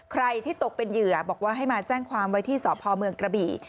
ใครที่ตกเป็นเหยื่อบอกว่าให้มาแจ้งความไว้ที่สพเมืองกระบี่